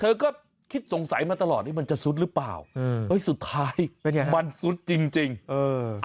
เธอก็คิดสงสัยมาตลอดนี่มันจะซุดหรือเปล่าเออเอ้ยสุดท้ายเป็นไงมันซุดจริงจริงเออ